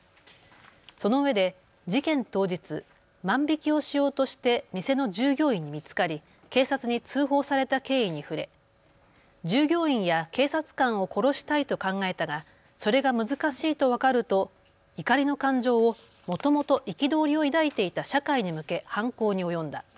そのうえで事件当日、万引きをしようとして店の従業員に見つかり警察に通報された経緯に触れ従業員や警察官を殺したいと考えたがそれが難しいと分かると怒りの感情をもともと憤りを抱いていた社会に向け犯行に及んだ。